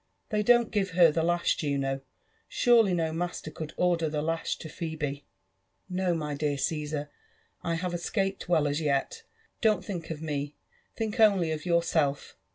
'' They don't give her the lash, Juno?— Surely no master could order the lash to Phebe ?" "No, my dear Ciesar — I have escaped well as yet; don't think of me— think only of yourself.